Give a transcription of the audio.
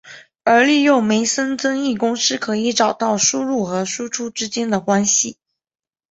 而利用梅森增益公式可以找到输入和输出之间的关系。